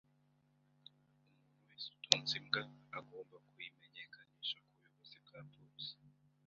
umuntu wese utunze imbwa agomba kuyimenyekanisha ku buyobozi bwa Polisi